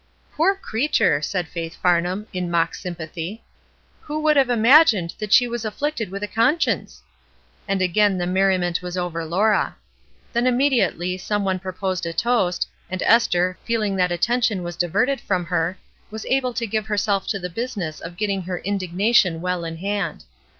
'^ "Poor creature!" said Faith Farnham, in mock sympathy. "Who would have imagined that she was afflicted with a conscience!" And again the merriment was over Laura. Then immediately some one proposed a toast, and Esther, feeUng that attention was diverted from 128 ESTER RIED'S NAMESAKE her, was able to give herself to the business of getting her indignation well in hand.